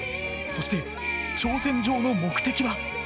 そして挑戦状の目的は。